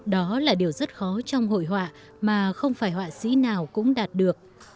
đó là điều rất khó trong hội họa mà không phải họa sĩ nào cũng đạt được